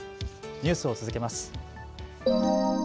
ニュースを続けます。